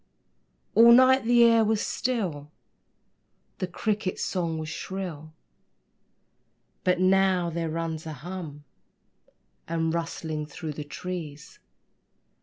All night the air was still, The crickets' song was shrill; But now there runs a hum And rustling through the trees.